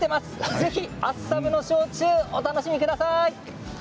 ぜひ厚沢部の焼酎をお楽しみください。